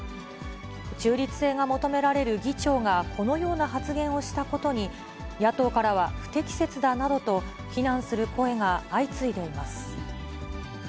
中立性が求められる議長が、このような発言をしたことに、野党からは、不適切だなどと、非難する声が相次いでいます。